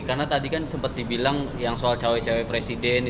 karena tadi kan sempat dibilang yang soal cewek cewek presiden